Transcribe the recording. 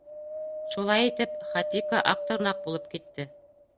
Шулай итеп, Хатико-Аҡтырнаҡ булып китте.